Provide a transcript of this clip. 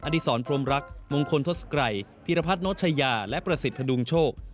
ดีศรพรมรักมงคลทศกรัยพีรพัฒนชายาและประสิทธิพดุงโชค